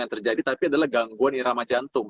yang terjadi tapi adalah gangguan irama jantung